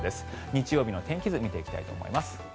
日曜日の天気図を見ていきたいと思います。